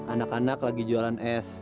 anak anak lagi jualan es